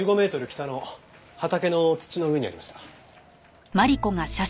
北の畑の土の上にありました。